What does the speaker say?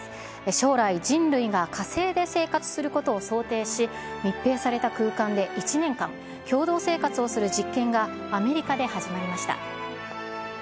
将来、人類が火星で生活することを想定し、密閉された空間で１年間、共同生活をする実験がアメリカで始まりました。